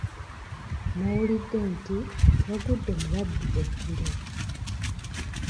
Nawulidde nti wagudde mu babbi eggulo.